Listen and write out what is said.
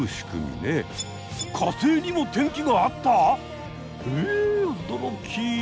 火星にも天気があった！？え驚き！